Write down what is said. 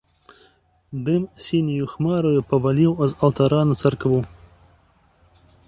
Дым сіняю хмараю паваліў з алтара на царкву.